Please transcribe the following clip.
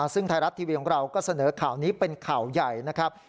ซึ่งไทยรัฐทีวีของเราก็เสนอข่าวนี้เป็นข่าวใหญ่นะครับ